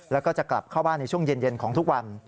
แล้วก็จะกลับเข้าบ้านในช่วงเย็นของทุกวัน